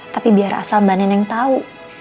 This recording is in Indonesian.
tapi biar asal mba neneng tau